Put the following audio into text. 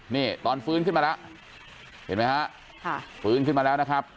นี่ตอนฟื้นขึ้นมาแล้วเห็นไหมฮะฟื้นขึ้นมาแล้วนะครับ